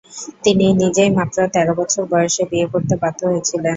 তিনি নিজেই মাত্র তেরো বছর বয়সে বিয়ে করতে বাধ্য হয়েছিলেন।